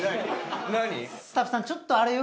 スタッフさんちょっと。